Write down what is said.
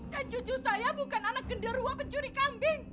dan cucu saya bukan anak genderwo pencuri kambing